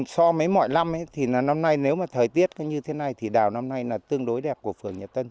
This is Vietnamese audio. so với mọi năm nếu thời tiết như thế này đào năm nay tương đối đẹp của phường nhật tân